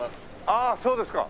ああそうですか。